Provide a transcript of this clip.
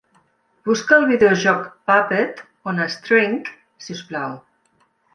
Busca el videojoc Puppet on a String, si us plau.